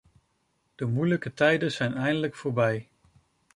De moeilijke tijden zijn eindelijk voorbij.